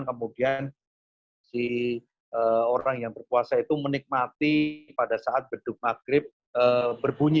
kemudian si orang yang berpuasa itu menikmati pada saat beduk maghrib berbunyi